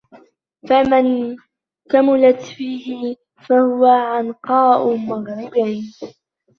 فَمَنْ كَمُلَتْ فِيهِ فَهُوَ عَنْقَاءُ مُغْرِبٍ